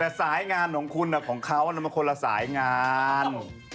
แต่สายงานของคุณแต่ของเค้าอันนั้นมันคนละสายงาน